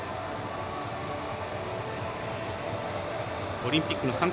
オリンピックの参加